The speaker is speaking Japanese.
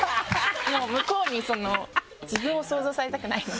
もう向こうに自分を想像されたくないので。